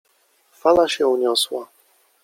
Fala się uniosła.